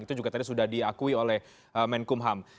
itu juga tadi sudah diakui oleh menkup ham